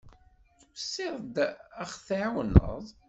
Tusiḍ-d ad ɣ-tεiwneḍ?